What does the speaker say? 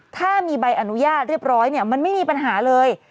ถ้ามีใบอนุญาตเรียบร้อยเนี่ยมันไม่มีปัญหาเลย